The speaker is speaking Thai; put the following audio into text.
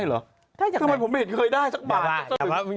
อร่าว